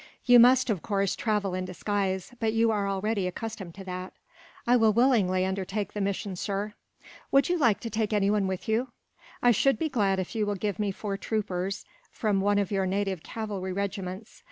You must, of course, travel in disguise, but you are already accustomed to that." "I will willingly undertake the mission, sir." "Would you like to take anyone with you?" "I should be glad if you will give me four troopers, from one of your native cavalry regiments.